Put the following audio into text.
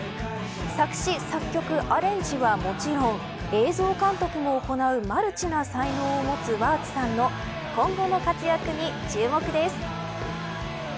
作詞、作曲、アレンジはもちろん映像監督も行うマルチな才能を持つＷｕｒｔＳさんの今後の活躍に注目です。